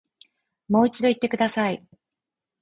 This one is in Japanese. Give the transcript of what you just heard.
もう一度言ってください